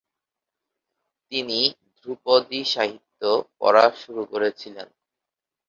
তিনি ধ্রুপদী সাহিত্য পড়া শুরু করেছিলেন।